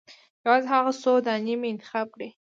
یوازې هغه څو دانې مې انتخاب کړې.